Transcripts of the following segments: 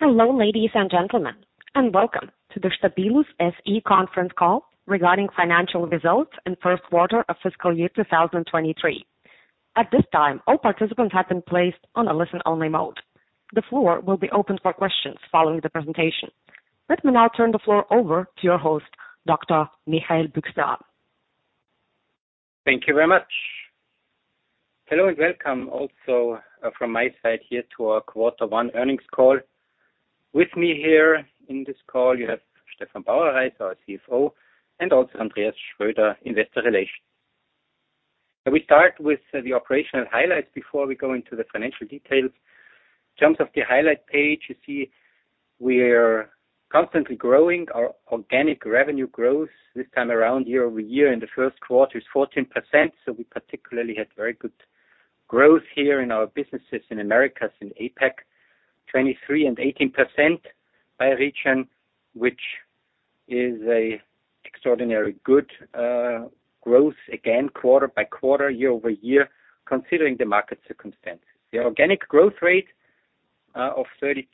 Hello, ladies and gentlemen, welcome to the Stabilus SE conference call regarding financial results in first quarter of fiscal year 2023. At this time, all participants have been placed on a listen-only mode. The floor will be open for questions following the presentation. Let me now turn the floor over to your host, Dr. Michael Büchsner. Thank you very much. Hello, welcome also from my side here to our Q1 earnings call. With me here in this call, you have Stefan Bauerreis, our CFO, and also Andreas Schröder, investor relations. We start with the operational highlights before we go into the financial details. In terms of the highlight page, you see we're constantly growing our organic revenue growth this time around year-over-year in the first quarter is 14%. We particularly had very good growth here in our businesses in Americas and APAC, 23% and 18% by region, which is an extraordinary good growth again, quarter-by-quarter, year-over-year, considering the market circumstances. The organic growth rate of 32%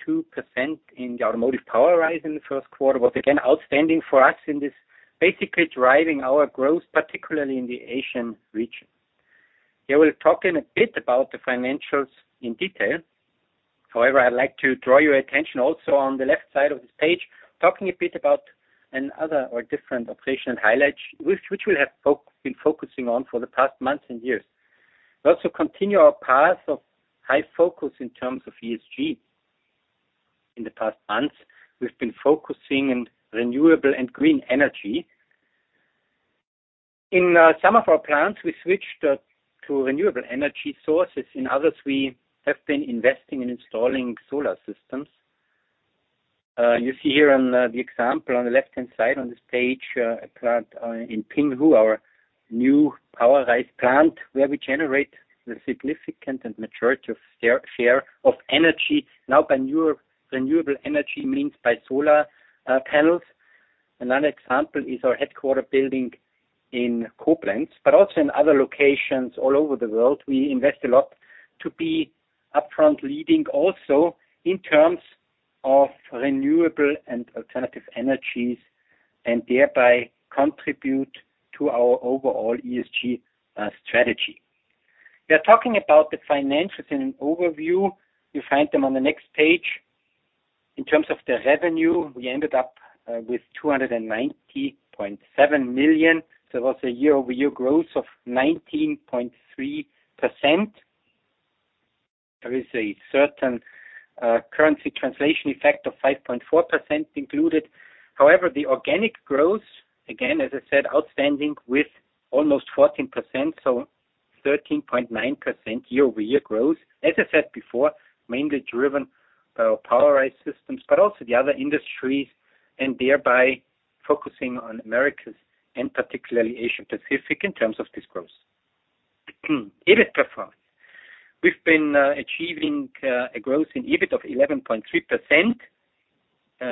in the automotive POWERISE in the first quarter was, again, outstanding for us in this basically driving our growth, particularly in the Asian region. They will talk in a bit about the financials in detail. I'd like to draw your attention also on the left side of this page, talking a bit about another or different operational highlights, which we have been focusing on for the past months and years. We also continue our path of high focus in terms of ESG. In the past months, we've been focusing in renewable and green energy. In some of our plants, we switched to renewable energy sources. In others, we have been investing in installing solar systems. You see here on the example on the left-hand side on this page, a plant in Pinghu, our new POWERISE plant, where we generate the significant and maturity of share of energy now by renewable energy means by solar panels. Another example is our headquarter building in Koblenz, but also in other locations all over the world, we invest a lot to be upfront leading also in terms of renewable and alternative energies, and thereby contribute to our overall ESG strategy. We are talking about the financials in an overview. You find them on the next page. In terms of the revenue, we ended up with 290.7 million. There was a year-over-year growth of 19.3%. There is a certain currency translation effect of 5.4% included. However, the organic growth, again, as I said, outstanding with almost 14%, so 13.9% year-over-year growth. As I said before, mainly driven by our POWERISE systems, but also the other industries, and thereby focusing on Americas and particularly Asian Pacific in terms of this growth. EBIT performance. We've been achieving a growth in EBIT of 11.3%.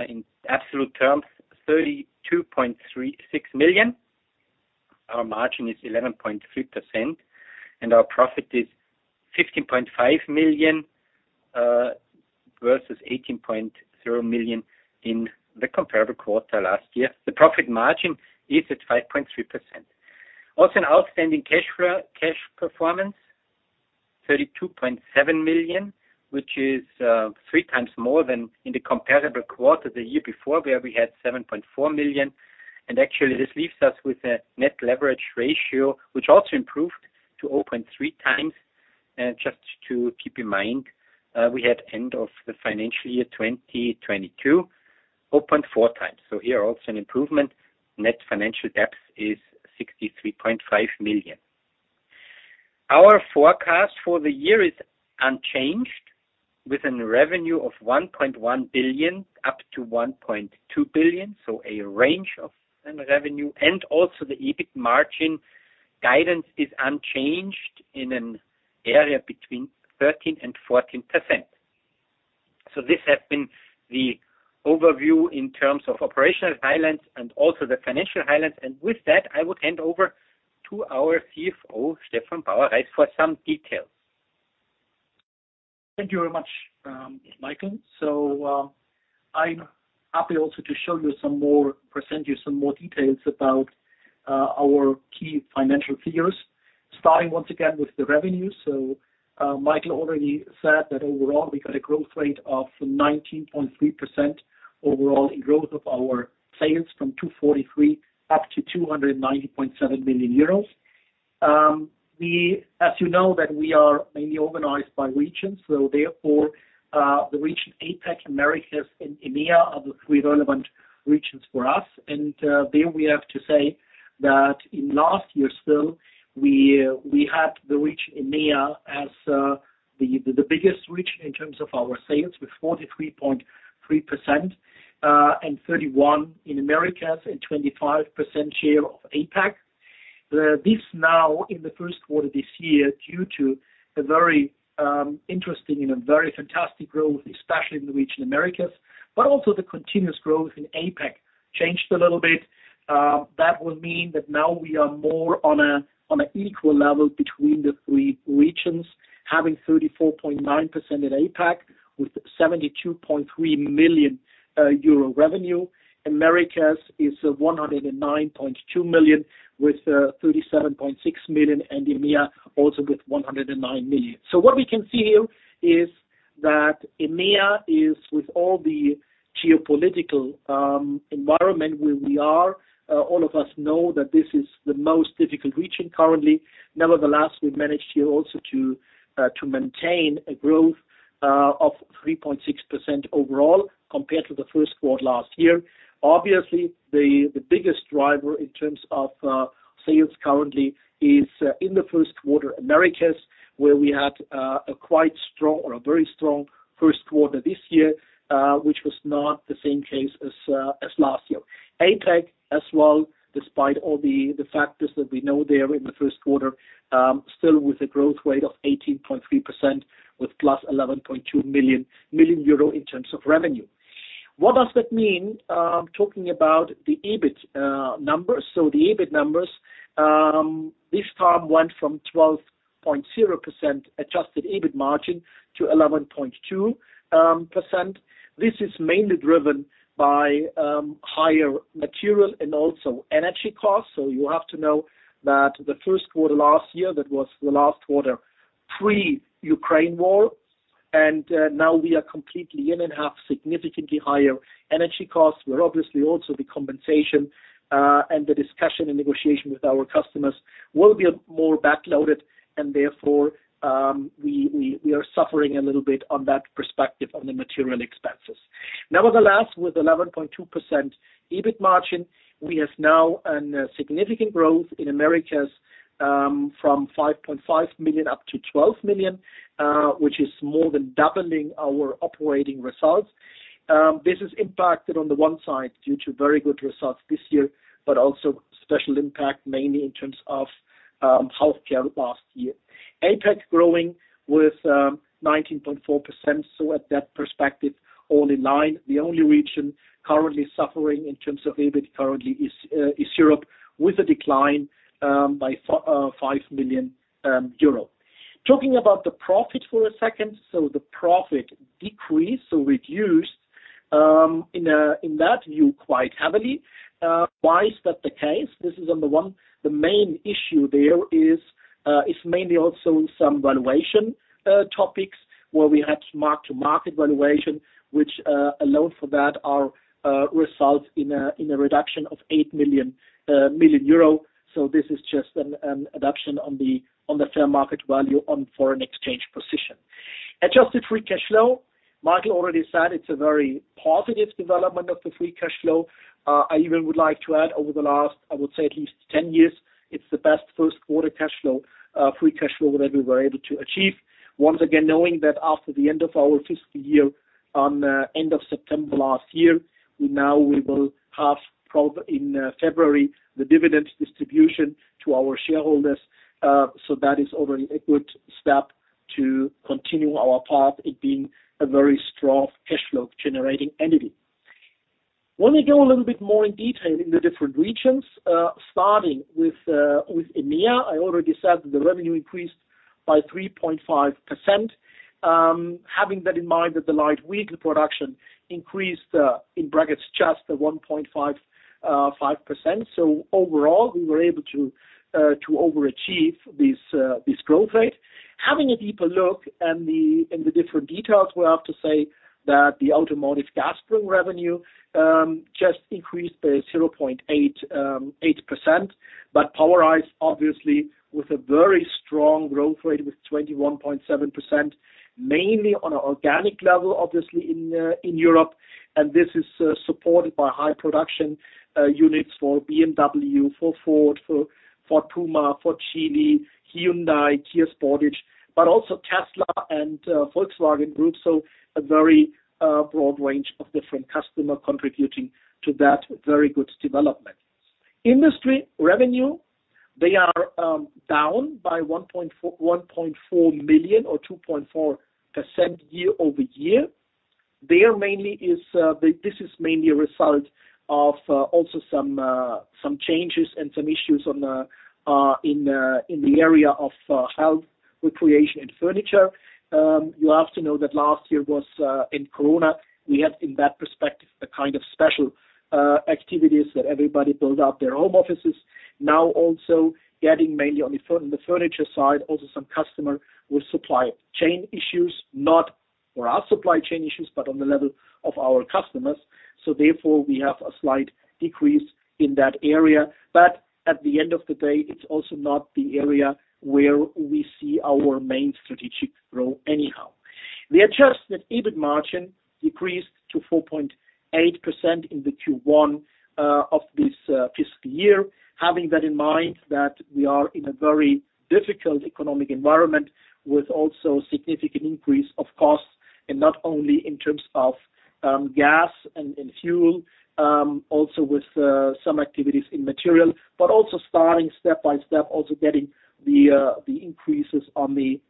In absolute terms, 32.36 million. Our margin is 11.3%, and our profit is 15.5 million versus 18.0 million in the comparable quarter last year. The profit margin is at 5.3%. Also an outstanding cash performance, 32.7 million, which is 3x more than in the comparable quarter the year before, where we had 7.4 million. Actually, this leaves us with a net leverage ratio, which also improved to 0.3x. Just to keep in mind, we had end of the financial year, 2022, 0.4x. Here also an improvement. Net financial depth is 63.5 million. Our forecast for the year is unchanged with a revenue of 1.1 billion up to 1.2 billion, so a range of revenue. Also the EBIT margin guidance is unchanged in an area between 13% and 14%. This has been the overview in terms of operational highlights and also the financial highlights. With that, I would hand over to our CFO, Stefan Bauerreis, for some details. Thank you very much, Michael. I'm happy also to present you some more details about our key financial figures, starting once again with the revenue. Michael already said that overall, we got a growth rate of 19.3% overall in growth of our sales from 243 up to 290.7 million euros. As you know that we are mainly organized by regions, therefore, the region APAC, Americas, and EMEA are the three relevant regions for us. There we have to say that in last year, still, we had the region EMEA as the biggest region in terms of our sales with 43.3%, and 31% in Americas and 25% share of APAC. This now in the first quarter this year, due to a very interesting and a very fantastic growth, especially in the region Americas, but also the continuous growth in APAC changed a little bit. That will mean that now we are more on a equal level between the three regions, having 34.9% in APAC with 72.3 million euro revenue. Americas is 109.2 million with 37.6 million, and EMEA also with 109 million. What we can see here is that EMEA is with all the geopolitical environment where we are, all of us know that this is the most difficult region currently. Nevertheless, we managed here also to maintain a growth of 3.6% overall compared to the first quarter last year. Obviously, the biggest driver in terms of sales currently is in the first quarter Americas, where we had a quite strong or a very strong first quarter this year, which was not the same case as last year. APAC as well, despite all the factors that we know there in the first quarter, still with a growth rate of 18.3% with +11.2 million in terms of revenue. What does that mean, talking about the EBIT numbers? The EBIT numbers, this time went from 12.0% adjusted EBIT margin to 11.2%. This is mainly driven by higher material and also energy costs. You have to know that the first quarter last year, that was the last quarter pre-Ukraine war, and now we are completely in and have significantly higher energy costs, where obviously also the compensation and the discussion and negotiation with our customers will be more backloaded, and therefore, we are suffering a little bit on that perspective on the material expenses. Nevertheless, with 11.2% EBIT margin, we have now an significant growth in Americas, from 5.5 million up to 12 million, which is more than doubling our operating results. This is impacted on the one side due to very good results this year, but also special impact mainly in terms of healthcare last year. APAC growing with 19.4%, at that perspective, all in line. The only region currently suffering in terms of EBIT currently is Europe, with a decline by 5 million euro. Talking about the profit for a second. The profit decreased, so reduced in that view, quite heavily. Why is that the case? This is on the one, the main issue there is mainly also some valuation topics where we had mark-to-market valuation, which alone for that results in a reduction of 8 million euro. This is just an adaption on the fair market value on foreign exchange position. Adjusted free cash flow, Michael already said it's a very positive development of the free cash flow. I even would like to add over the last, I would say at least 10 years, it's the best first quarter cash flow, free cash flow that we were able to achieve. Once again, knowing that after the end of our fiscal year on, end of September last year, we will have in February, the dividend distribution to our shareholders. That is already a good step to continue our path in being a very strong cash flow-generating entity. When we go a little bit more in detail in the different regions, starting with EMEA, I already said that the revenue increased by 3.5%. Having that in mind that the light vehicle production increased in brackets just 1.55%. Overall, we were able to overachieve this growth rate. Having a deeper look in the different details, we have to say that the automotive gas spring revenue just increased by 0.8%, but POWERISE obviously with a very strong growth rate with 21.7%, mainly on an organic level, obviously in Europe. This is supported by high production units for BMW, for Ford, for Puma, for Geely, Hyundai, Kia Sportage, but also Tesla and Volkswagen Group. A very broad range of different customer contributing to that very good development. Industry revenue, they are down by 1.4 million or 2.4% year-over-year. There mainly is this is mainly a result of also some changes and some issues in the area of health, recreation, and furniture. You have to know that last year was in Corona. We had, in that perspective, a kind of special activities that everybody build out their home offices. Also getting mainly on the furniture side, also some customer with supply chain issues, not for our supply chain issues, but on the level of our customers. Therefore, we have a slight decrease in that area. At the end of the day, it's also not the area where we see our main strategic growth anyhow. The adjusted EBIT margin decreased to 4.8% in the Q1 of this fiscal year. Having that in mind that we are in a very difficult economic environment with also significant increase of costs, and not only in terms of, gas and fuel, also with some activities in material, but also starting step by step, also getting the increases on the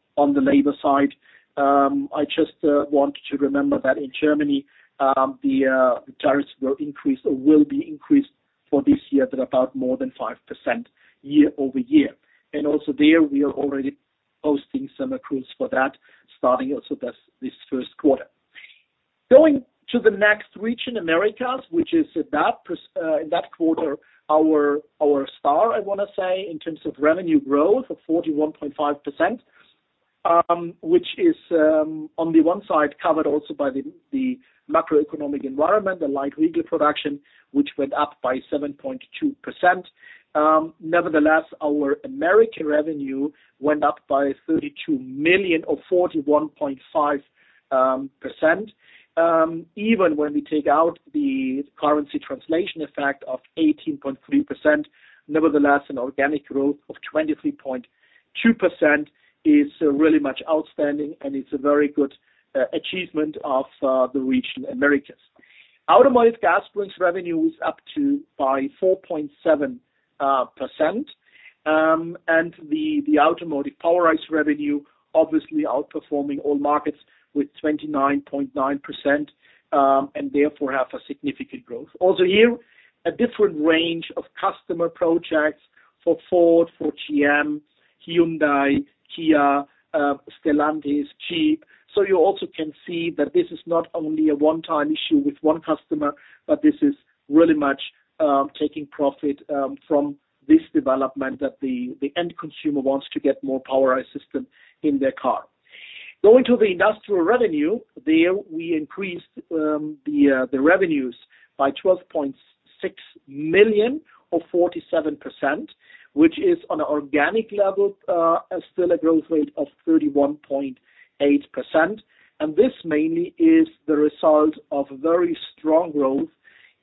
labor side. I just want to remember that in Germany, the tariffs will increase or will be increased for this year to about more than 5% year-over-year. Also there we are already posting some accruals for that, starting also this first quarter. Going to the next region, Americas, which is that in that quarter, our star, I wanna say, in terms of revenue growth of 41.5%, which is on the one side covered also by the macroeconomic environment, the light vehicle production, which went up by 7.2%. Nevertheless, our American revenue went up by 32 million or 41.5%, even when we take out the currency translation effect of 18.3%. Nevertheless, an organic growth of 23.2% is really much outstanding, and it's a very good achievement of the region Americas. Automotive gas springs revenue was up to by 4.7%, and the automotive POWERISE revenue obviously outperforming all markets with 29.9%, and therefore have a significant growth. Here, a different range of customer projects for Ford, for GM, Hyundai, Kia, Stellantis, Jeep. You also can see that this is not only a one-time issue with one customer, but this is really much taking profit from this development that the end consumer wants to get more POWERISE system in their car. Going to the industrial revenue, there we increased the revenues by 12.6 million or 47%, which is on an organic level still a growth rate of 31.8%. This mainly is the result of very strong growth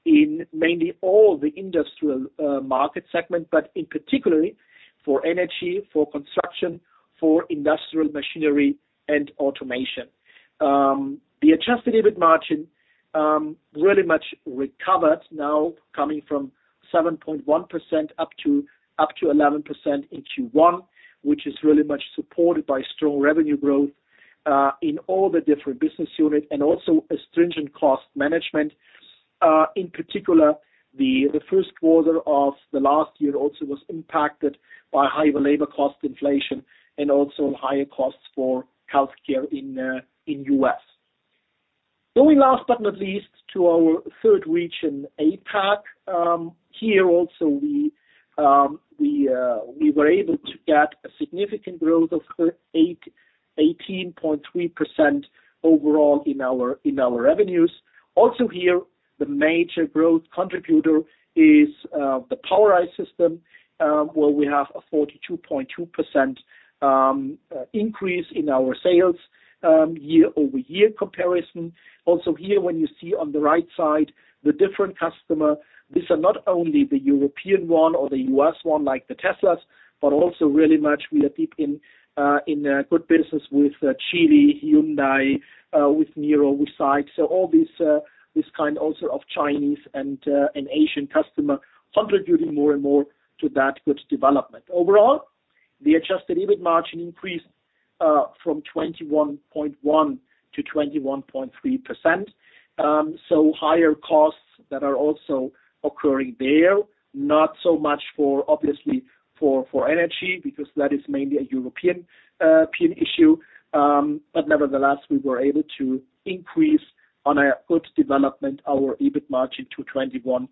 in mainly all the industrial market segment, but in particularly for energy, for construction, for industrial machinery and automation. The adjusted EBIT margin really much recovered now coming from 7.1% up to 11% in Q1, which is really much supported by strong revenue growth in all the different business unit and also a stringent cost management. In particular, the first quarter of the last year also was impacted by higher labor cost inflation and also higher costs for healthcare in US. Going last but not least to our third region, APAC. Here also we we were able to get a significant growth of 18.3% overall in our revenues. Also here, the major growth contributor is the POWERISE system, where we have a 42.2% increase in our sales year-over-year comparison. Here, when you see on the right side the different customer, these are not only the European one or the US one, like the Teslas, but also really much we are deep in good business with Geely, Hyundai, with Niro, with SAIC. All these, this kind also of Chinese and Asian customer contributing more and more to that good development. Overall, the adjusted EBIT margin increased from 21.1% to 21.3%. Higher costs that are also occurring there, not so much for obviously for energy, because that is mainly a European European issue. Nevertheless, we were able to increase on a good development our EBIT margin to 21.3%.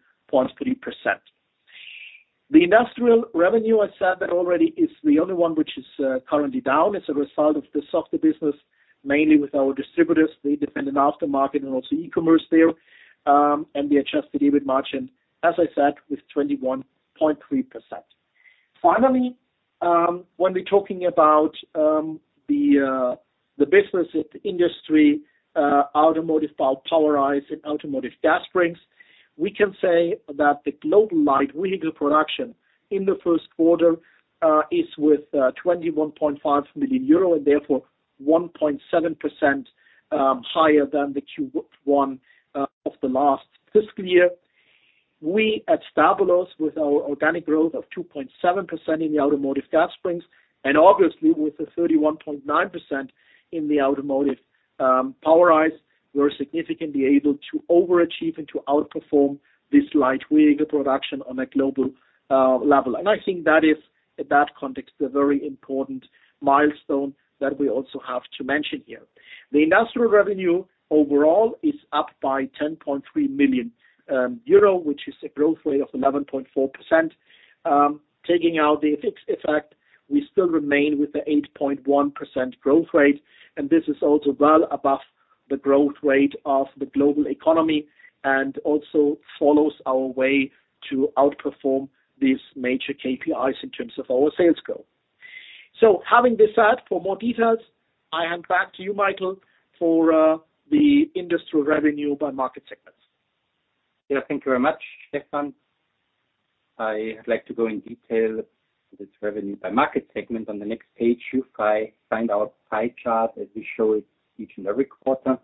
The industrial revenue, I said that already, is the only one which is currently down as a result of the softer business, mainly with our distributors. They depend on aftermarket and also e-commerce there. The adjusted EBIT margin, as I said, with 21.3%. Finally, when we're talking about the business at the industry, automotive POWERISE and automotive gas springs, we can say that the global light vehicle production in the first quarter is with 21.5 million euro and therefore 1.7% higher than the Q1 of the last fiscal year. We at Stabilus, with our organic growth of 2.7% in the automotive gas springs, and obviously with the 31.9% in the automotive POWERISE, we're significantly able to overachieve and to outperform this light vehicle production on a global level. I think that is, in that context, a very important milestone that we also have to mention here. The industrial revenue overall is up by 10.3 million euro, which is a growth rate of 11.4%. Taking out the FX effect, we still remain with the 8.1% growth rate, and this is also well above the growth rate of the global economy and also follows our way to outperform these major KPIs in terms of our sales goal. Having this said, for more details, I hand back to you, Michael, for the industrial revenue by market segments. Yeah, thank you very much, Stefan. I would like to go in detail with revenue by market segment. On the next page, you find our pie chart as we show it each and every quarter.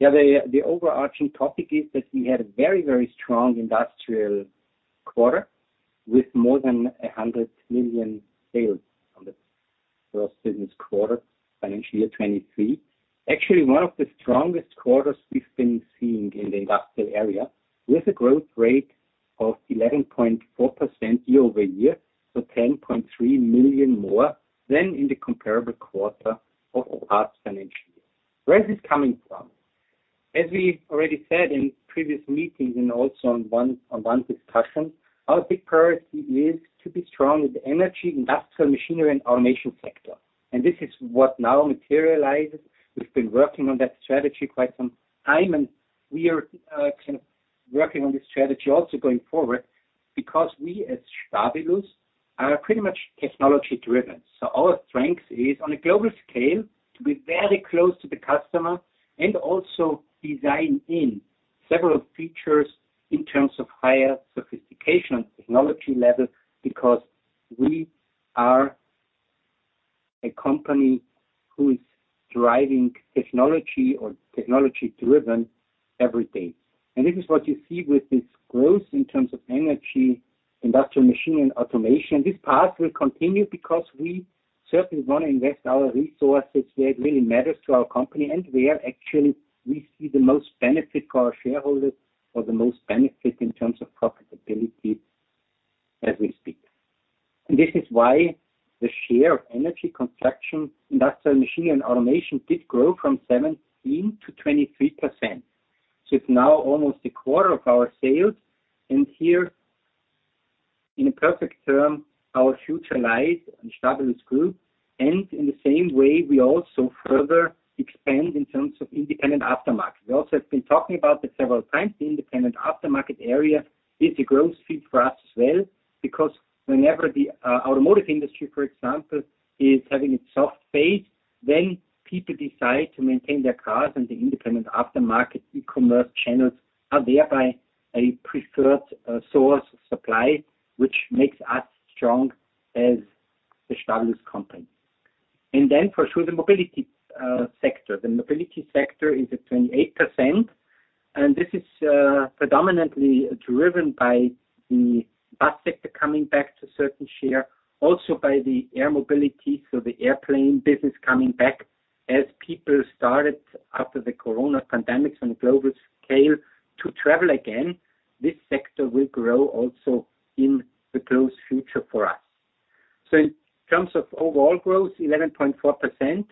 The overarching topic is that we had a very, very strong industrial quarter with more than 100 million sales on the first business quarter, financial year 2023. Actually, one of the strongest quarters we've been seeing in the industrial area, with a growth rate of 11.4% year-over-year, so 10.3 million more than in the comparable quarter of last financial year. Where is this coming from? As we already said in previous meetings and also on one-on-one discussion, our big priority is to be strong with energy, industrial machinery, and automation sector. This is what now materializes. We've been working on that strategy quite some time, and we are kind of working on this strategy also going forward because we as Stabilus are pretty much technology-driven. Our strength is on a global scale, to be very close to the customer and also design in several features in terms of higher sophistication technology level, because we are a company who is driving technology or technology-driven every day. This is what you see with this growth in terms of energy, industrial machine, and automation. This path will continue because we certainly want to invest our resources where it really matters to our company and where actually we see the most benefit for our shareholders or the most benefit in terms of profitability as we speak. This is why the share of energy construction, industrial machine and automation did grow from 17% to 23%. It's now almost a quarter of our sales, and here in a perfect term, our future lies in Stabilus Group. In the same way, we also further expand in terms of independent aftermarket. We also have been talking about it several times. The independent aftermarket area is a growth field for us as well, because whenever the automotive industry, for example, is having its soft phase, then people decide to maintain their cars, and the independent aftermarket e-commerce channels are thereby a preferred source of supply, which makes us strong as a Stabilus company. Then for sure, the mobility sector. The mobility sector is at 28%, and this is predominantly driven by the bus sector coming back to a certain share, also by the air mobility, so the airplane business coming back as people started after the corona pandemics on a global scale to travel again. This sector will grow also in the close future for us. In terms of overall growth, 11.4%.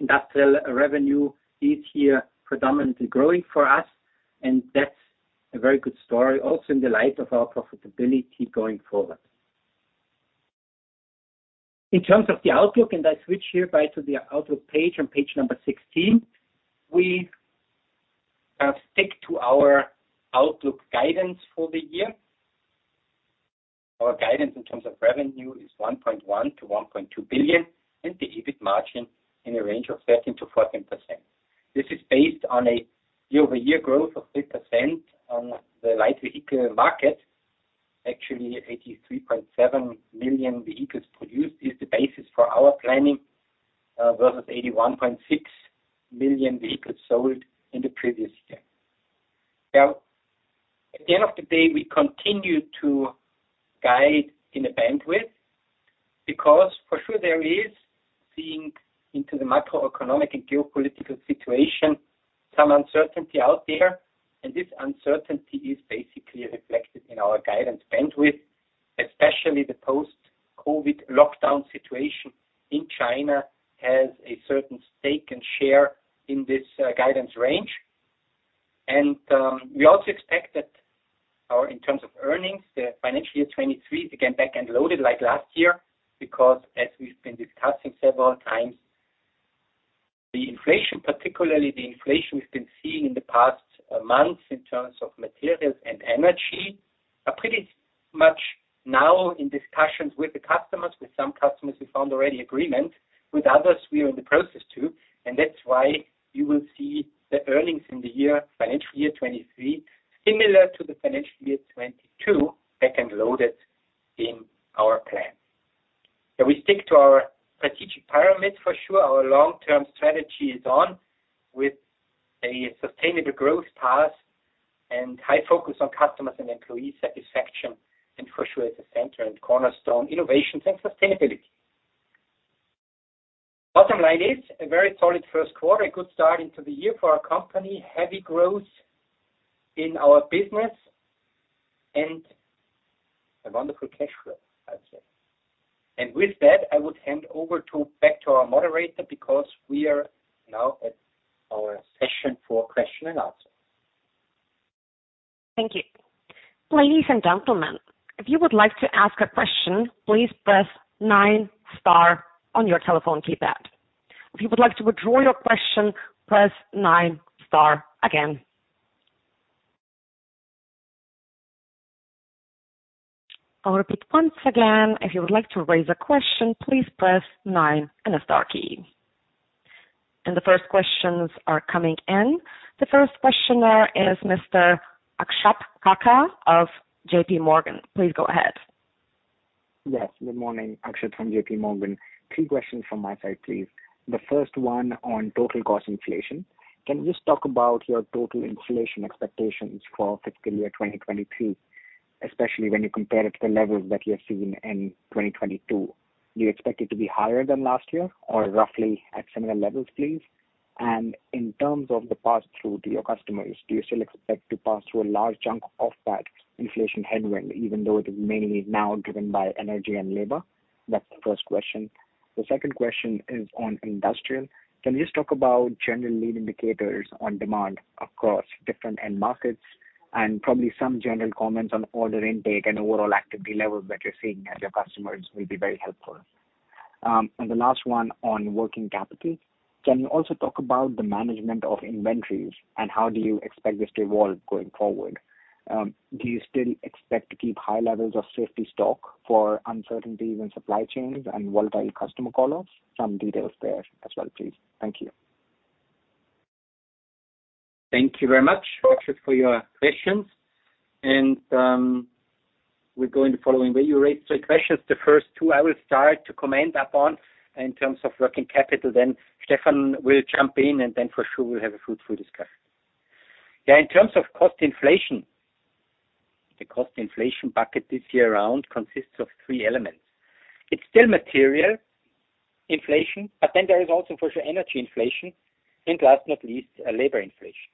Industrial revenue is here predominantly growing for us, and that's a very good story also in the light of our profitability going forward. In terms of the outlook, I switch here by to the outlook page on page number 16, we stick to our outlook guidance for the year. Our guidance in terms of revenue is 1.1 billion-1.2 billion, and the EBIT margin in a range of 13%-14%. This is based on a year-over-year growth of 3% on the light vehicle market. Actually, 83.7 million vehicles produced is the basis for our planning versus 81.6 million vehicles sold in the previous year. At the end of the day, we continue to guide in a bandwidth because for sure there is seeing into the macroeconomic and geopolitical situation, some uncertainty out there, and this uncertainty is basically reflected in our guidance bandwidth, especially the post-COVID lockdown situation in China has a certain stake and share in this guidance range. We also expect that, or in terms of earnings, the financial year 2023, again, back-end-loaded like last year, because as we've been discussing several times, the inflation, particularly the inflation we've been seeing in the past months in terms of materials and energy, are pretty much now in discussions with the customers. With some customers, we found already agreement, with others, we are in the process to. That's why you will see the earnings in the year, financial year 2023, similar to the financial year 2022, back-end-loaded in our plan. We stick to our strategic pyramid for sure. Our long-term strategy is on with a sustainable growth path and high focus on customers and employee satisfaction, and for sure at the center and cornerstone, innovations and sustainability. Bottom line is a very solid first quarter, a good start into the year for our company, heavy growth in our business and a wonderful cash flow, I'd say. With that, I would hand back to our moderator because we are now at our session for question and answer. Thank you. Ladies and gentlemen, if you would like to ask a question, please press nine star on your telephone keypad. If you would like to withdraw your question, press nine star again. I'll repeat once again. If you would like to raise a question, please press nine and a star key. The first questions are coming in. The first questioner is Mr. Akshat Kacker of JPMorgan. Please go ahead. Yes. Good morning. Akshat from JPMorgan. Three questions from my side, please. The first one on total cost inflation. Can you just talk about your total inflation expectations for fiscal year 2023, especially when you compare it to the levels that you have seen in 2022. Do you expect it to be higher than last year or roughly at similar levels, please? In terms of the pass-through to your customers, do you still expect to pass through a large chunk of that inflation headwind, even though it is mainly now driven by energy and labor? That's the first question. The second question is on industrial. Can you just talk about general lead indicators on demand across different end markets, and probably some general comments on order intake and overall activity levels that you're seeing as your customers will be very helpful. The last one on working capital, can you also talk about the management of inventories and how do you expect this to evolve going forward? Do you still expect to keep high levels of safety stock for uncertainties in supply chains and volatile customer call-offs? Some details there as well, please. Thank you. Thank you very much, Aksha, for your questions. We're going the following way. You raised three questions. The first two, I will start to comment upon in terms of working capital, then Stefan will jump in, and then for sure we'll have a fruitful discussion. Yeah, in terms of cost inflation, the cost inflation bucket this year around consists of three elements. It's still material inflation, but then there is also, for sure, energy inflation, and last not least, labor inflation.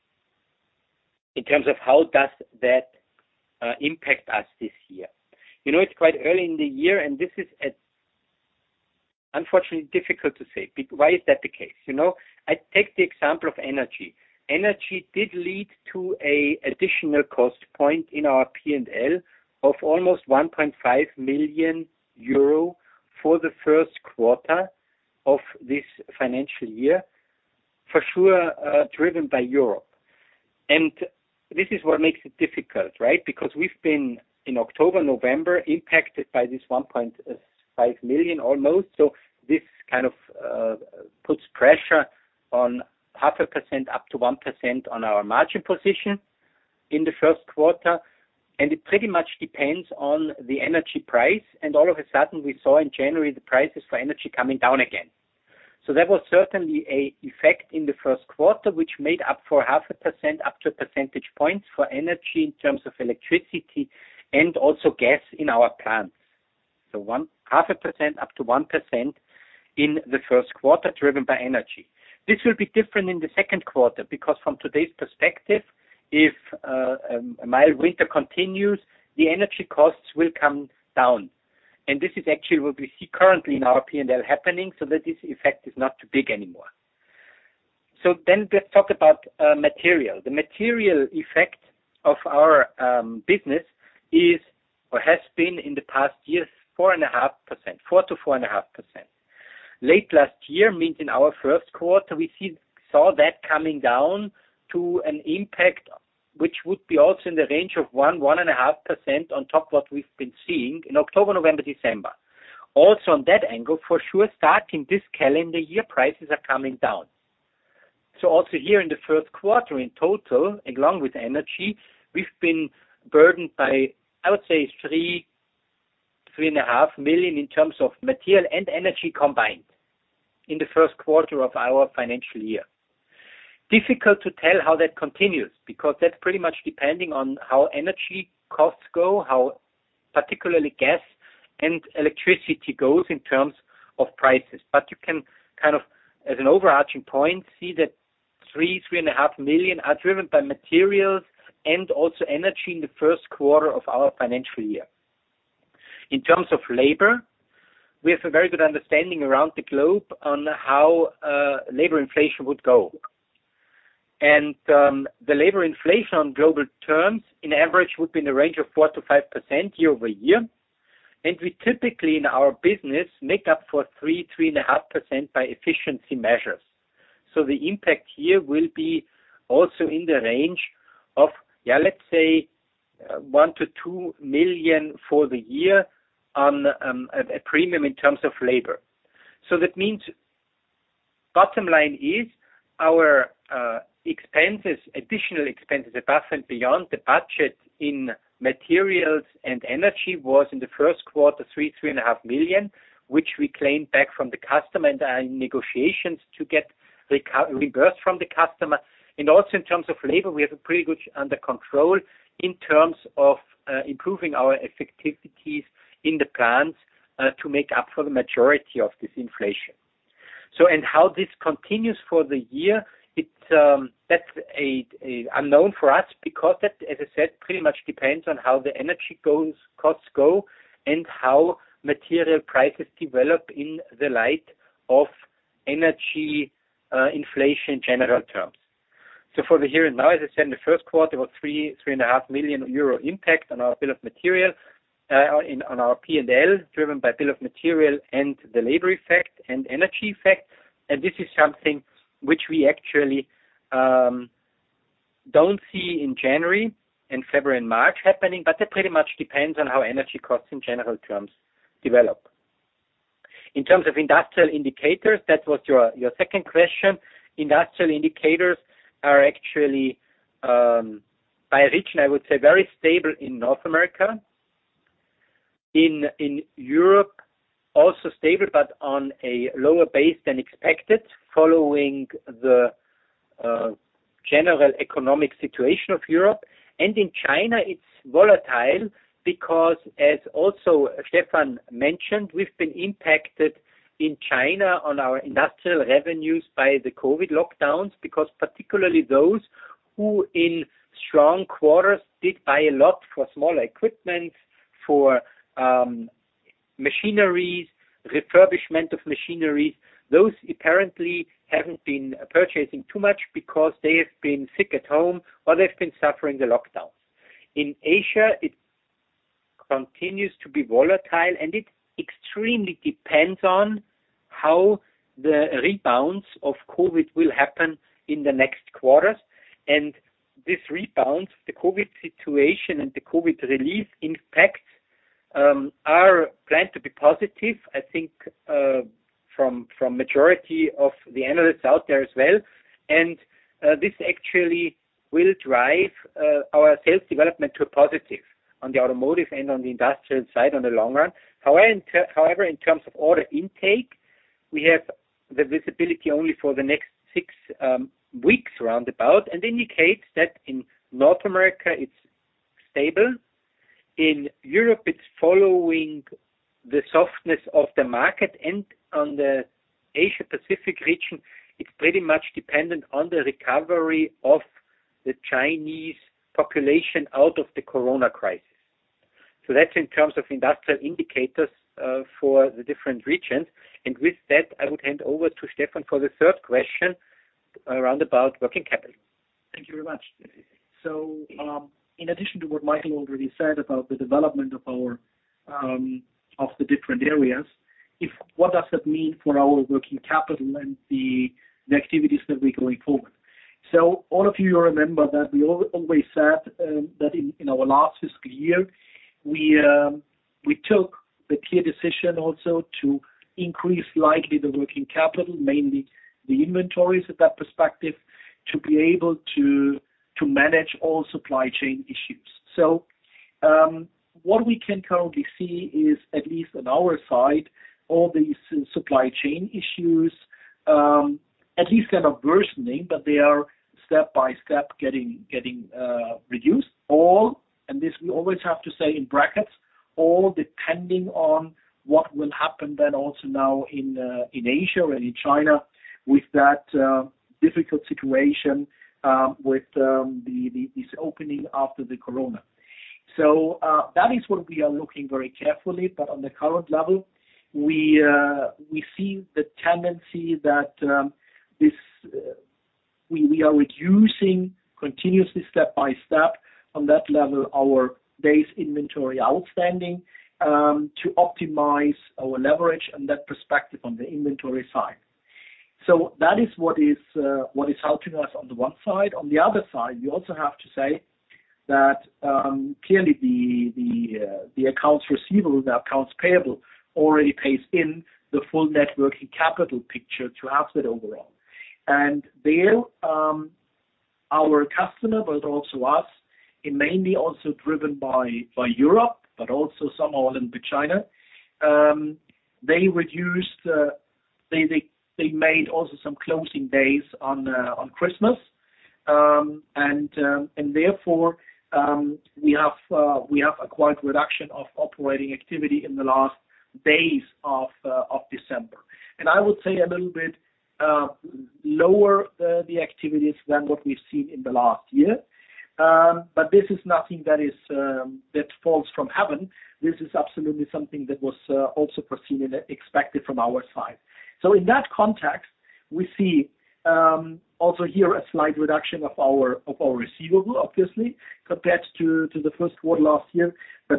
In terms of how does that impact us this year. You know, it's quite early in the year, and this is, unfortunately difficult to say. Why is that the case? You know, I take the example of energy. Energy did lead to an additional cost point in our P&L of almost 1.5 million euro for the first quarter of this financial year, for sure, driven by Europe. This is what makes it difficult, right? Because we've been, in October, November, impacted by this 1.5 million almost. This kind of puts pressure on 0.5% up to 1% on our margin position in the first quarter, and it pretty much depends on the energy price. All of a sudden, we saw in January the prices for energy coming down again. There was certainly an effect in the first quarter, which made up for 0.5%, up to a percentage point for energy in terms of electricity and also gas in our plants. Half a percent, up to 1% in the first quarter, driven by energy. This will be different in the second quarter, because from today's perspective, if a mild winter continues, the energy costs will come down. This is actually what we see currently in our P&L happening, so that this effect is not too big anymore. Let's talk about material. The material effect of our business is or has been in the past years, 4%-4.5%. Late last year, means in our first quarter, we saw that coming down to an impact which would be also in the range of 1%-1.5% on top what we've been seeing in October, November, December. On that angle, for sure, starting this calendar year, prices are coming down. Also here in the first quarter in total, along with energy, we've been burdened by, I would say, 3 million-3.5 million in terms of material and energy combined in the first quarter of our financial year. Difficult to tell how that continues, because that's pretty much depending on how energy costs go, how particularly gas and electricity goes in terms of prices. You can kind of, as an overarching point, see that 3 million- 3.5 million are driven by materials and also energy in the first quarter of our financial year. In terms of labor, we have a very good understanding around the globe on how labor inflation would go. The labor inflation on global terms in average would be in the range of 4%-5% year-over-year. We typically, in our business, make up for 3.5% by efficiency measures. The impact here will be also in the range of 1 million-2 million for the year on a premium in terms of labor. That means bottom line is our expenses, additional expenses above and beyond the budget in materials and energy was in the first quarter, 3.5 million, which we claim back from the customer and are in negotiations to get reimbursed from the customer. Also in terms of labor, we have a pretty good under control in terms of improving our effectivities in the plants to make up for the majority of this inflation. How this continues for the year, it, that's an unknown for us because that, as I said, pretty much depends on how the energy costs go and how material prices develop in the light of energy inflation in general terms. For the here and now, as I said, in the first quarter, about 3.5 million euro impact on our bill of material on our P&L, driven by bill of material and the labor effect and energy effect. This is something which we actually don't see in January and February and March happening, but that pretty much depends on how energy costs in general terms develop. In terms of industrial indicators, that was your second question. Industrial indicators are actually, by region, I would say very stable in North America. In Europe, also stable, but on a lower base than expected following the general economic situation of Europe. In China, it's volatile because as also Stefan mentioned, we've been impacted in China on our industrial revenues by the COVID lockdowns, because particularly those who in strong quarters did buy a lot for small equipment, for machineries, refurbishment of machinery. Those apparently haven't been purchasing too much because they have been sick at home, or they've been suffering the lockdowns. In Asia, it continues to be volatile, and it extremely depends on how the rebounds of COVID will happen in the next quarters. This rebound, the COVID situation and the COVID relief impact are planned to be positive, I think, from majority of the analysts out there as well. This actually will drive our sales development to a positive on the automotive and on the industrial side on the long run. However, in terms of order intake, we have the visibility only for the next six weeks round about, and indicates that in North America, it's stable. In Europe, it's following the softness of the market, and on the Asia Pacific region, it's pretty much dependent on the recovery of the Chinese population out of the corona crisis. That's in terms of industrial indicators, for the different regions. With that, I would hand over to Stefan for the third question around about working capital. Thank you very much. In addition to what Michael already said about the development of our different areas, if what does that mean for our working capital and the activities that we're going forward. All of you remember that we always said that in our last fiscal year, we took the clear decision also to increase likely the working capital, mainly the inventories of that perspective, to be able to manage all supply chain issues. What we can currently see is, at least on our side, all these supply chain issues, at least kind of worsening, but they are step-by-step getting reduced all, and this we always have to say in brackets, all depending on what will happen then also now in Asia and in China with that difficult situation with the this opening after the corona. That is what we are looking very carefully. But on the current level, we see the tendency that this we are reducing continuously step-by-step on that level, our base inventory outstanding, to optimize our leverage and that perspective on the inventory side. That is what is what is helping us on the one side. On the other side, we also have to say that, clearly the accounts receivable, the accounts payable already pays in the full net working capital picture to absolute overall. There, our customer, but also us, it mainly also driven by Europe, but also some all in China. They reduced, they made also some closing days on Christmas. Therefore, we have acquired reduction of operating activity in the last days of December. I would say a little bit lower the activities than what we've seen in the last year. This is nothing that is that falls from heaven. This is absolutely something that was also foreseen and expected from our side. In that context, we see also here a slight reduction of our receivable, obviously, compared to the first quarter last year.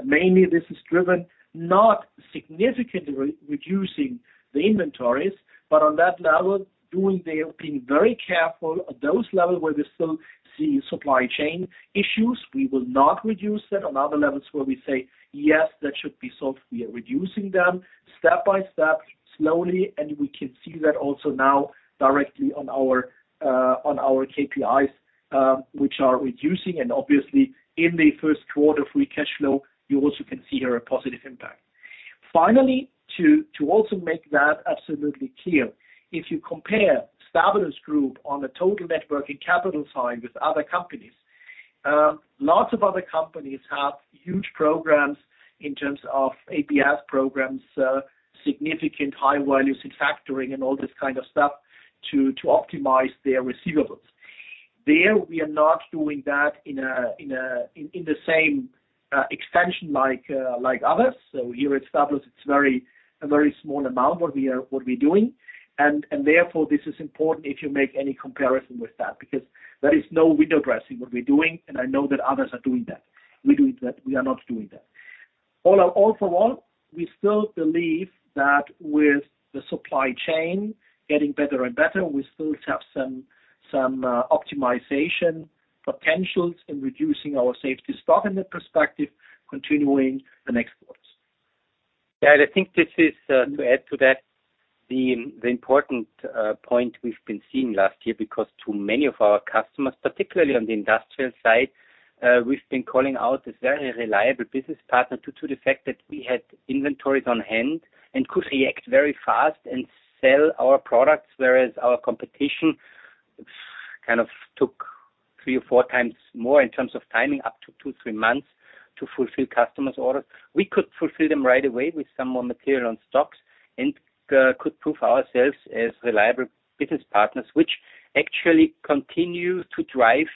Mainly this is driven not significantly reducing the inventories, but on that level, being very careful at those level where we still see supply chain issues. We will not reduce that. On other levels where we say, yes, that should be solved, we are reducing them step-by-step, slowly, and we can see that also now directly on our KPIs, which are reducing and obviously in the first quarter free cash flow, you also can see here a positive impact. Finally, to also make that absolutely clear, if you compare Stabilus Group on the total net working capital side with other companies, lots of other companies have huge programs in terms of STAR programs, significant high values in factoring and all this kind of stuff to optimize their receivables. There, we are not doing that in the same extension like others. Here at Stabilus, a very small amount what we are, what we're doing. Therefore, this is important if you make any comparison with that, because there is no window dressing what we're doing, and I know that others are doing that. We are not doing that. All for all, we still believe that with the supply chain getting better and better, we still have some optimizationpotentials in reducing our safety stock in that perspective, continuing the next quarters. I think this is, to add to that, the important point we've been seeing last year because to many of our customers, particularly on the industrial side, we've been calling out this very reliable business partner due to the fact that we had inventories on hand and could react very fast and sell our products, whereas our competition kind of took three or four times more in terms of timing, up to two, three months, to fulfill customers' orders. We could fulfill them right away with some more material and stocks and could prove ourselves as reliable business partners, which actually continues to drive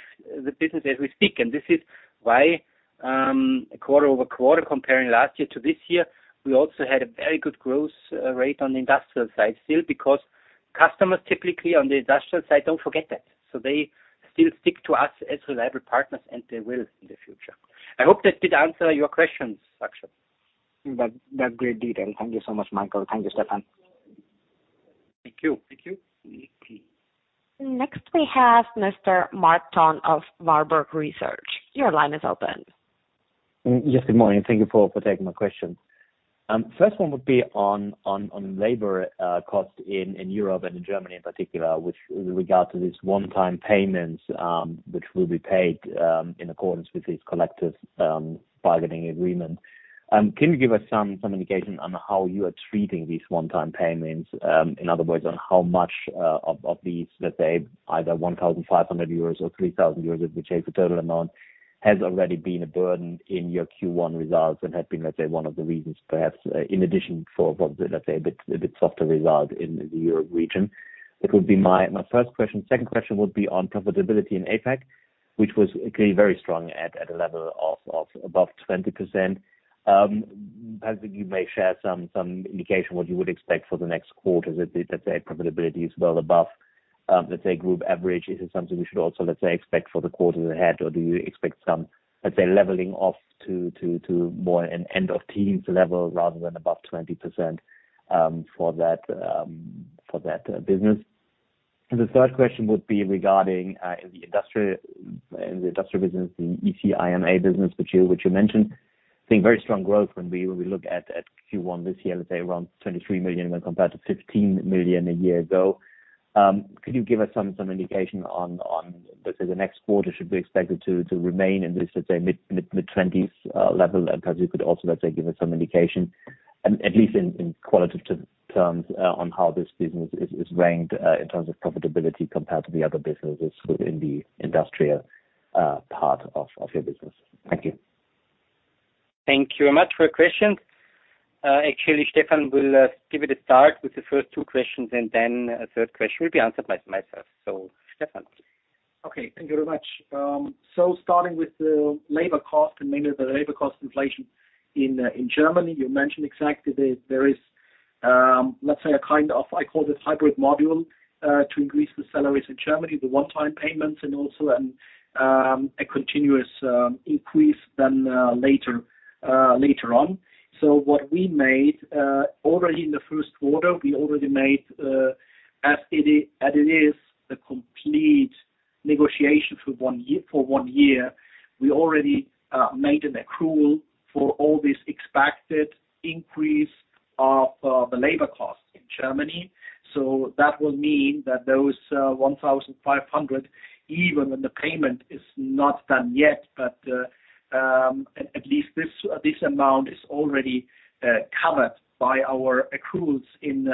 the business as we speak. This is why, quarter-over-quarter, comparing last year to this year, we also had a very good growth rate on the industrial side still because customers typically on the industrial side don't forget that. They still stick to us as reliable partners and they will in the future. I hope that did answer your questions, Saksham. That great detail. Thank you so much, Michael. Thank you, Stefan. Thank you. Thank you. Next, we have Mr. Marc-René Tonn of Warburg Research. Your line is open. Yes, good morning. Thank you for taking my question. First one would be on labor cost in Europe and in Germany in particular, which with regard to these one-time payments, which will be paid in accordance with these collective bargaining agreement. Can you give us some indication on how you are treating these one-time payments, in other words, on how much of these, let's say, either 1,500 euros or 3,000 euros, whichever the total amount, has already been a burden in your Q1 results and had been, let's say, one of the reasons perhaps, in addition for what, let's say, a bit softer result in the Europe region. That would be my first question. Second question would be on profitability in APAC, which was, again, very strong at a level of above 20%. I think you may share some indication what you would expect for the next quarter. Is it, let's say, profitability is well above, let's say, group average? Is it something we should also, let's say, expect for the quarter ahead? Or do you expect some, let's say, leveling off to more an end of teens level rather than above 20% for that business? The third question would be regarding in the industrial business, the ECIMA business, which you mentioned. I think very strong growth when we look at Q1 this year, let's say, around 23 million when compared to 15 million a year ago. Could you give us some indication on, let's say, the next quarter, should we expect it to remain in this, let's say, mid-twenties level? Perhaps you could also, let's say, give us some indication, at least in qualitative terms, on how this business is ranked in terms of profitability compared to the other businesses within the industrial part of your business. Thank you. Thank you very much for your questions. actually, Stefan will give it a start with the first two questions, and then a third question will be answered by myself. Stefan, please. Okay. Thank you very much. Starting with the labor cost and mainly the labor cost inflation in Germany, you mentioned exactly that there is, let's say a kind of, I call this hybrid module to increase the salaries in Germany, the one-time payments, and also a continuous increase later on. What we made already in the first quarter, we already made as it is the complete negotiation for one year, we already made an accrual for all this expected increase of the labor costs in Germany. That will mean that those, 1,500, even when the payment is not done yet, but at least this amount is already covered by our accruals in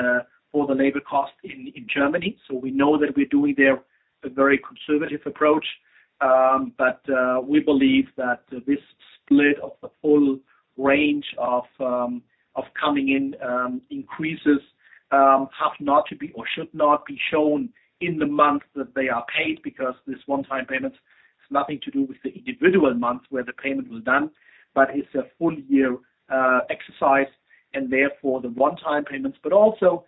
Germany. We know that we're doing there a very conservative approach. We believe that this split of the full range of coming in increases have not to be or should not be shown in the month that they are paid because this one-time payment has nothing to do with the individual month where the payment was done, but it's a full year exercise and therefore the one-time payments, but also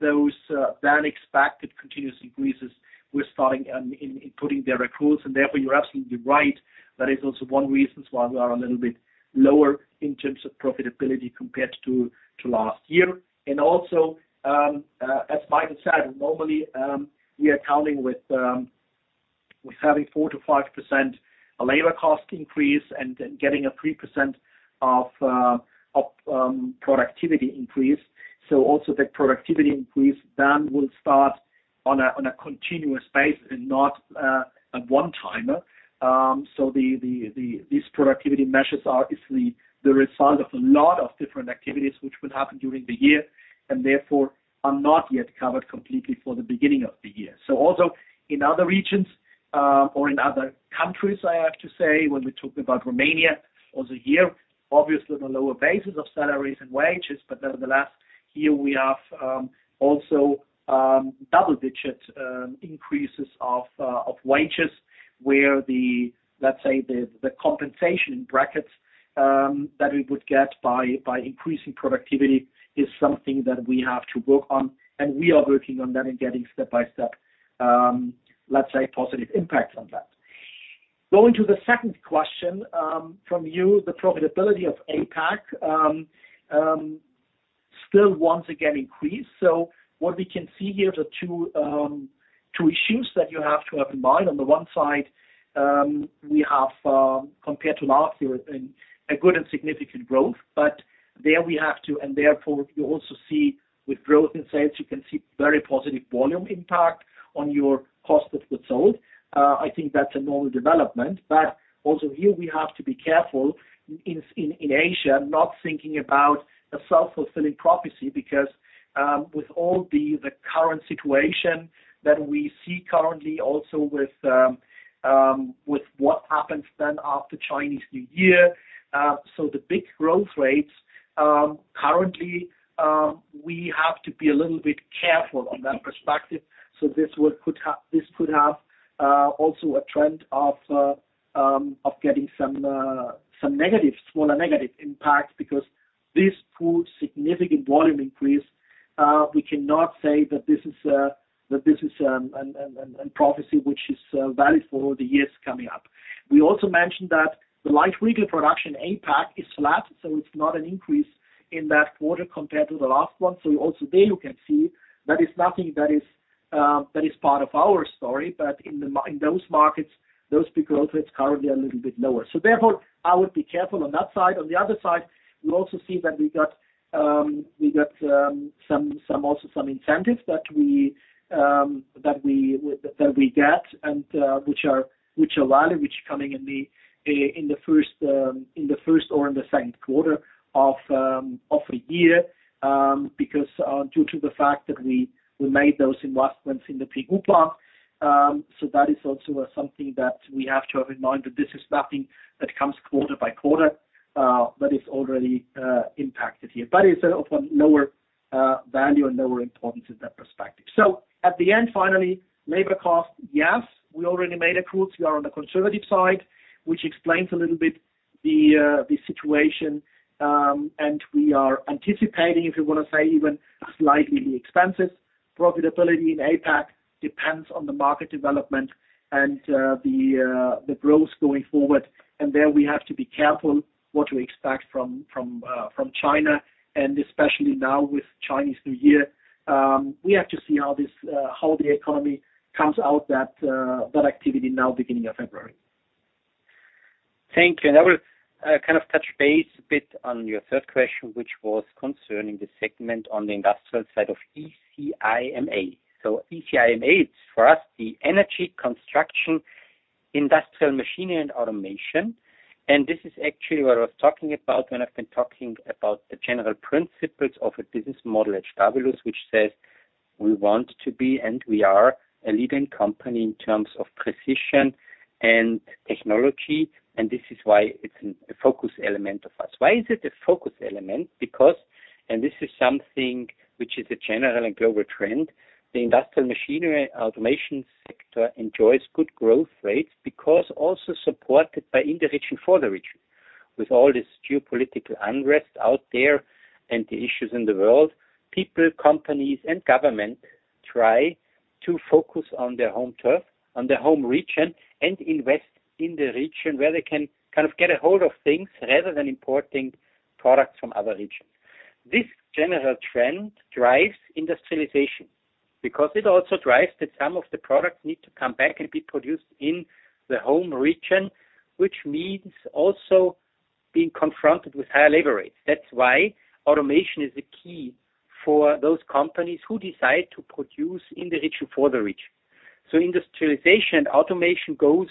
those then expected continuous increases we're starting in putting their accruals. Therefore, you're absolutely right. That is also one reasons why we are a little bit lower in terms of profitability compared to last year. Also, as Michael said, normally, we are counting with having 4%-5% labor cost increase and then getting a 3% of productivity increase. Also that productivity increase then will start on a continuous base and not a one-timer. The, these productivity measures are obviously the result of a lot of different activities which will happen during the year and therefore are not yet covered completely for the beginning of the year. Also in other regions, or in other countries, I have to say, when we talk about Romania also here, obviously the lower basis of salaries and wages, but nevertheless, here we have also double-digit increases of wages where the, let's say the compensation brackets that we would get by increasing productivity is something that we have to work on, and we are working on them and getting step-by -step, let's say, positive impacts on that. Going to the second question from you, the profitability of APAC Still once again increase. What we can see here, the two issues that you have to have in mind. On the one side, we have compared to last year, a good and significant growth. There we have to, therefore, you also see with growth in sales, you can see very positive volume impact on your cost of goods sold. I think that's a normal development. Also here we have to be careful in Asia, not thinking about a self-fulfilling prophecy. With all the current situation that we see currently also with what happens then after Chinese New Year. The big growth rates, currently, we have to be a little bit careful on that perspective. This could have, also a trend of getting some negative, smaller negative impact because this puts significant volume increase. We cannot say that this is that this is a prophecy which is valid for the years coming up. We also mentioned that the light vehicle production APAC is flat, so it's not an increase in that quarter compared to the last one. Also there you can see that is nothing that is that is part of our story. In those markets, those big growth rates currently are a little bit lower. Therefore, I would be careful on that side. On the other side, we also see that we got some also some incentives that we that we get and which are which are valid, which coming in the in the first in the first or in the second quarter of the year. Because due to the fact that we made those investments in the pre-group plant. That is also something that we have to have in mind, that this is nothing that comes quarter by quarter, but it's already impacted here. But it's of a lower value and lower importance in that perspective. At the end, finally, labor cost. Yes, we already made accruals. We are on the conservative side, which explains a little bit the situation. And we are anticipating, if you wanna say, even slightly the expenses. Profitability in APAC depends on the market development and the growth going forward. There we have to be careful what we expect from China, and especially now with Chinese New Year. We have to see how this, how the economy comes out that activity now beginning of February. Thank you. I will kind of touch base a bit on your third question, which was concerning the segment on the industrial side of ECIMA. ECIMA is for us, the Energy Construction Industrial Machinery and Automation. This is actually what I was talking about when I've been talking about the general principles of a business model at Stabilus, which says, "We want to be, and we are a leading company in terms of precision and technology," and this is why it's a focus element of us. Why is it a focus element? Because this is something which is a general and global trend, the industrial machinery automation sector enjoys good growth rates because also supported by in the region, for the region. With all this geopolitical unrest out there and the issues in the world, people, companies and government try to focus on their home turf, on their home region, and invest in the region where they can kind of get a hold of things rather than importing products from other regions. This general trend drives industrialization. It also drives that some of the products need to come back and be produced in the home region, which means also being confronted with higher labor rates. That's why automation is the key for those companies who decide to produce in the region for the region. Industrialization and automation goes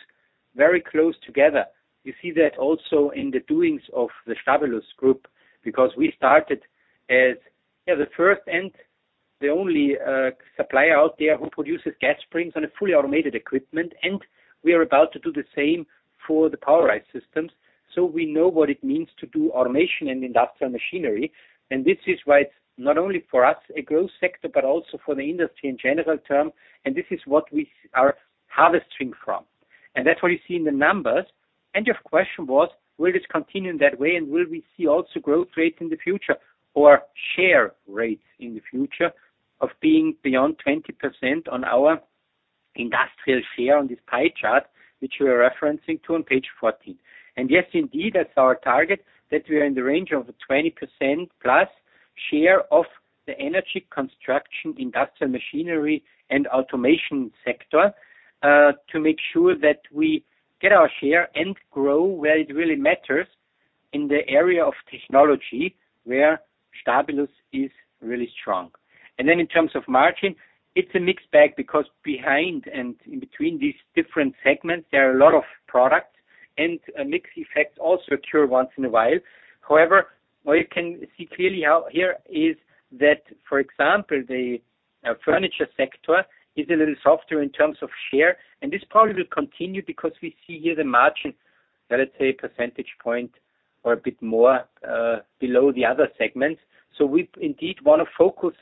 very close together. You see that also in the doings of the Stabilus Group, because we started as, yeah, the first and the only supplier out there who produces gas springs on a fully automated equipment. We are about to do the same for the POWERISE systems. We know what it means to do automation and industrial machinery. This is why it's not only for us a growth sector, but also for the industry in general term, and this is what we are harvesting from. That's what you see in the numbers. Your question was, will this continue in that way and will we see also growth rates in the future or share rates in the future of being beyond 20% on our industrial share on this pie chart, which we are referencing to on page 14? Yes, indeed, that's our target, that we are in the range of 20% plus share of the energy construction, industrial machinery and automation sector, to make sure that we get our share and grow where it really matters in the area of technology, where Stabilus is really strong. Then in terms of margin, it's a mixed bag because behind and in between these different segments, there are a lot of products and a mix effect also occur once in a while. However, what you can see clearly out here is that, for example, the furniture sector is a little softer in terms of share, and this probably will continue because we see here the margin, let's say a percentage point or a bit more, below the other segments. We indeed wanna focus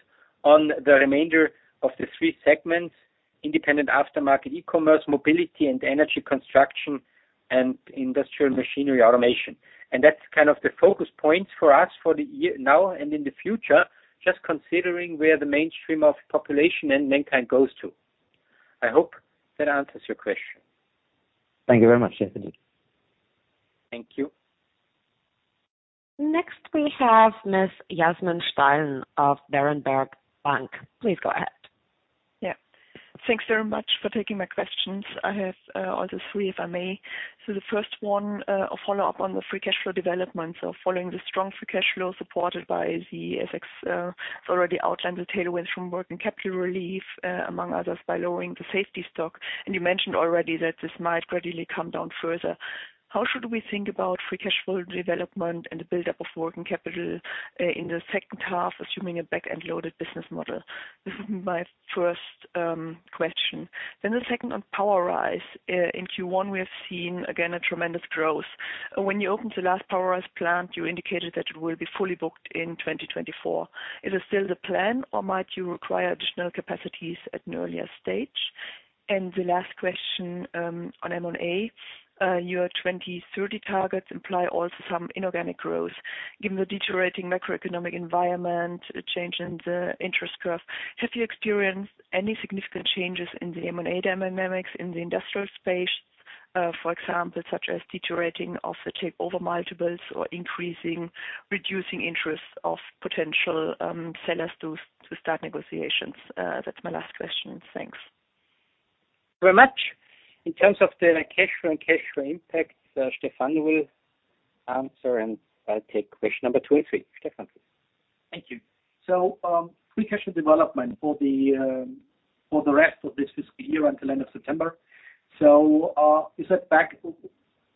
on the remainder of the three segments, independent aftermarket, e-commerce, mobility and energy construction, and industrial machinery automation. That's kind of the focus points for us for now and in the future, just considering where the mainstream of population and mankind goes to. I hope that answers your question. Thank you very much. Yes, indeed. Thank you. Next we have Ms. Yasmin Steilen of Berenberg Bank. Please go ahead. Yeah. Thanks very much for taking my questions. I have also three, if I may. The first one, a follow-up on the free cash flow development. Following the strong free cash flow supported by the excess, already outlined the tailwinds from working capital relief, among others, by lowering the safety stock. You mentioned already that this might gradually come down further. How should we think about free cash flow development and the build-up of working capital in the second half, assuming a back-end loaded business model? This is my first question. The second on POWERISE. In Q1, we have seen again a tremendous growth. When you opened the last POWERISE plant, you indicated that it will be fully booked in 2024. Is it still the plan, or might you require additional capacities at an earlier stage? The last question on M&A. Your 2030 targets imply also some inorganic growth given the deteriorating macroeconomic environment, a change in the interest curve. Have you experienced any significant changes in the M&A dynamics in the industrial space, for example, such as deteriorating of the takeover multiples or reducing interest of potential sellers to start negotiations? That's my last question. Thanks. Very much. In terms of the cash flow and cash flow impact, Stefan will answer, and I'll take question number two and three. Stefan, please. Thank you. Free cash flow development for the rest of this fiscal year until end of September. You said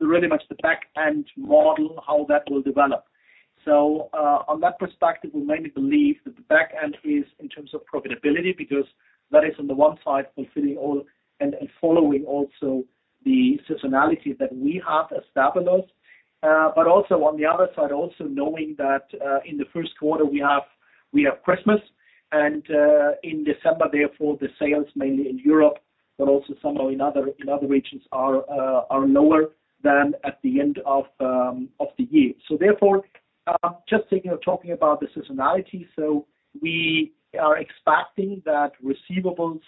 really much the back-end model, how that will develop. On that perspective, we mainly believe that the back end is in terms of profitability because that is on the one side, fulfilling all and following also the seasonality that we have established. Also on the other side, also knowing that in the first quarter, we have Christmas and in December, therefore, the sales mainly in Europe, but also somehow in other regions are lower than at the end of the year. Therefore, just thinking of talking about the seasonality. We are expecting that receivables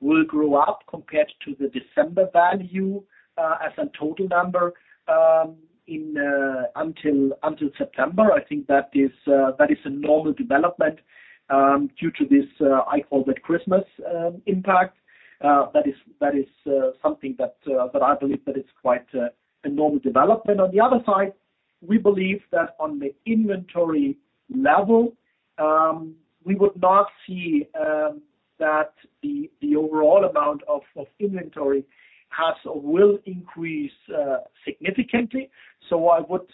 will grow up compared to the December value as a total number in until September. I think that is that is a normal development due to this I call that Christmas impact. That is something that I believe that is quite a normal development. On the other side, we believe that on the inventory level we would not see that the overall amount of inventory has or will increase significantly. I would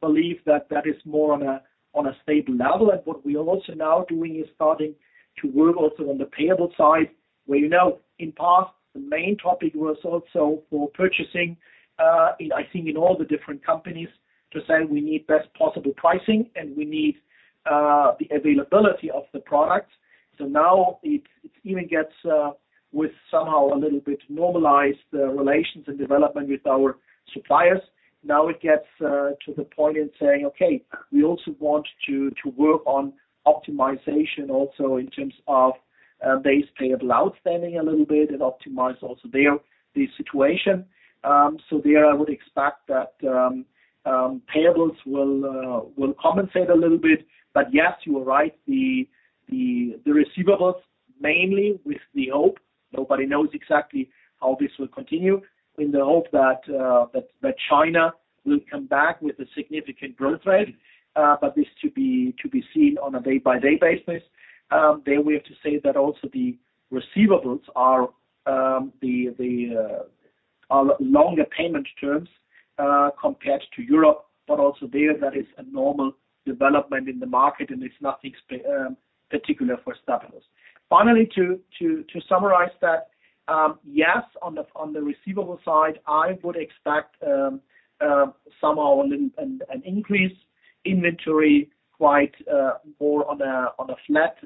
believe that that is more on a stable level. What we are also now doing is starting to work also on the payable side, where, you know, in past, the main topic was also for purchasing, I think in all the different companies to say we need best possible pricing and we need the availability of the products. Now it even gets with somehow a little bit normalized relations and development with our suppliers. Now it gets to the point in saying, okay, we also want to work on optimization also in terms of base payable outstanding a little bit and optimize also the situation. There I would expect that payables will compensate a little bit. Yes, you are right, the, the receivables mainly with the hope. Nobody knows exactly how this will continue in the hope that China will come back with a significant growth rate, but this to be seen on a day-by-day basis. There we have to say that also the receivables are longer payment terms compared to Europe, but also there that is a normal development in the market, and it's nothing particular for Stabilus. Finally, to summarize that, yes, on the receivable side, I would expect somehow an increase inventory quite more on a flat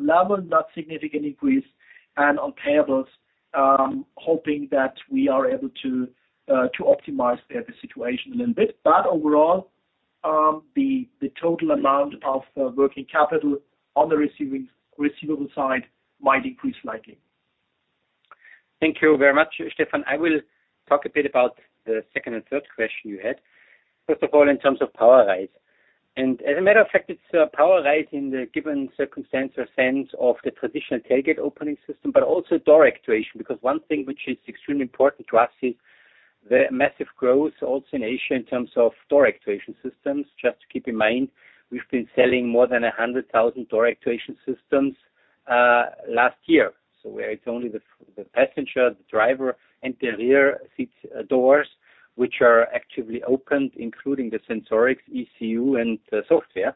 level, not significant increase. On payables, hoping that we are able to optimize the situation a little bit. Overall, the total amount of working capital on the receivable side might increase slightly. Thank you very much, Stefan. I will talk a bit about the second and third question you had. First of all, in terms of POWERISE. As a matter of fact, it's POWERISE in the given circumstance or sense of the traditional tailgate opening system, but also door actuation, because one thing which is extremely important to us is the massive growth also in Asia in terms of door actuation systems. Just to keep in mind, we've been selling more than 100,000 door actuation systems last year. Where it's only the passenger, the driver, and the rear seat doors, which are actively opened, including the sensorics, ECU, and software.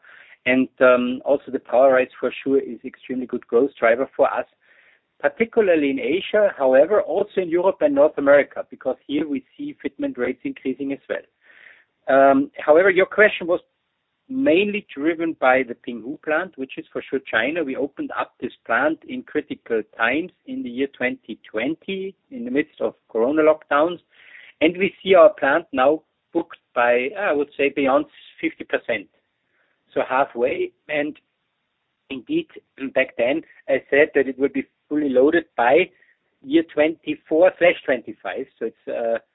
Also the POWERISE for sure is extremely good growth driver for us, particularly in Asia, however, also in Europe and North America, because here we see fitment rates increasing as well. However, your question was mainly driven by the Pinghu plant, which is for sure China. We opened up this plant in critical times in the year 2020 in the midst of corona lockdowns. We see our plant now booked by, I would say, beyond 50%, so halfway. Indeed, back then I said that it would be fully loaded by year 2024/2025. It's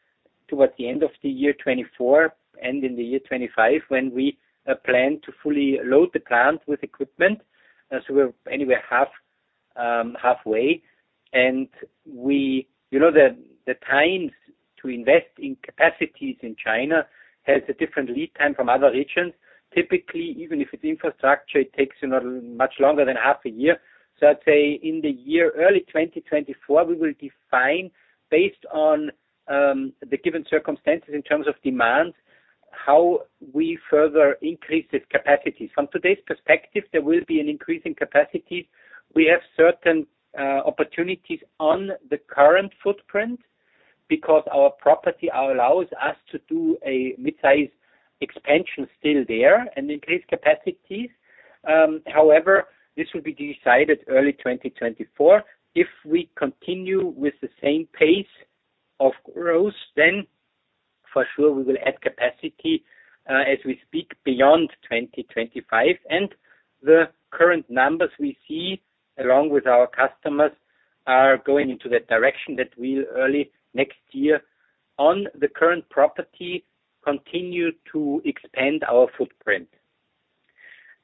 towards the end of the year 2024 and in the year 2025 when we plan to fully load the plant with equipment. We're anywhere halfway. You know, the times to invest in capacities in China has a different lead time from other regions. Typically, even if it's infrastructure, it takes, you know, much longer than half a year. I'd say in the year early 2024, we will define based on the given circumstances in terms of demand, how we further increase this capacity. From today's perspective, there will be an increase in capacity. We have certain opportunities on the current footprint because our property allows us to do a mid-size expansion still there and increase capacity. However, this will be decided early 2024. If we continue with the same pace of growth, then for sure we will add capacity as we speak beyond 2025. The current numbers we see along with our customers are going into the direction that we early next year on the current property, continue to expand our footprint.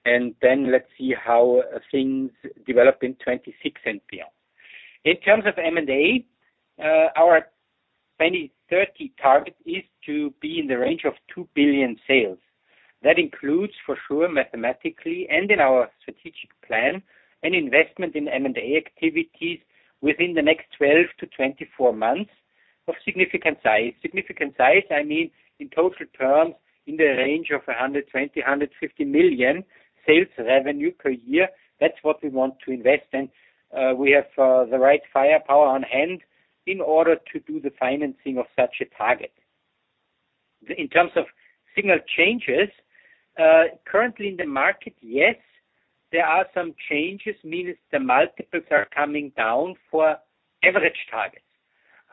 Let's see how things develop in 2026 and beyond. In terms of M&A, our 2030 target is to be in the range of 2 billion sales. That includes for sure, mathematically and in our strategic plan, an investment in M&A activities within the next 12 months-24 months of significant size. Significant size, I mean, in total terms, in the range of 120 million-150 million sales revenue per year. That's what we want to invest in. We have the right firepower on hand in order to do the financing of such a target. In terms of signal changes, currently in the market, yes, there are some changes, means the multiples are coming down for average targets.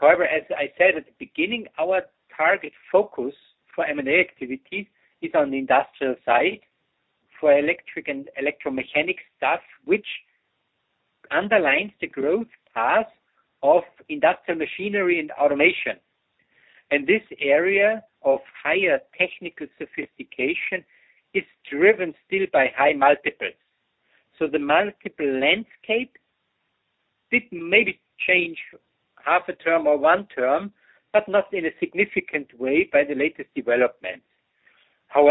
As I said at the beginning, our target focus for M&A activities is on the industrial side for electric and electromechanical stuff, which underlines the growth path of industrial machinery and automation. This area of higher technical sophistication is driven still by high multiples. The multiple landscape did maybe change half a term or one term, but not in a significant way by the latest developments. We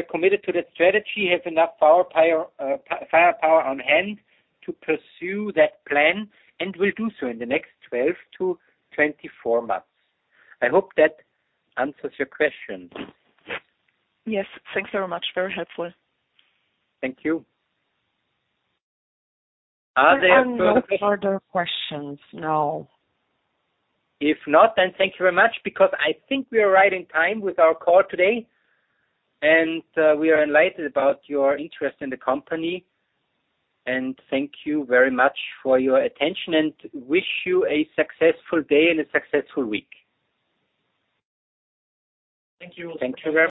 are committed to that strategy, have enough firepower on hand to pursue that plan, and will do so in the next 12 months to 24 months. I hope that answers your question. Yes. Thanks very much. Very helpful. Thank you. Are there further? There are no further questions, no. If not, thank you very much because I think we are right in time with our call today, and we are enlightened about your interest in the company. Thank you very much for your attention and wish you a successful day and a successful week. Thank you. Thank you very much.